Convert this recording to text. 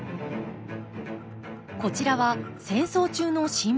こちらは戦争中の新聞報道。